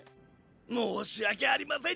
申し訳ありません